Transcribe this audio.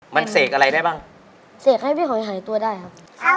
มันเสกอะไรได้บ้างเสกให้พี่หอยหายตัวได้ครับ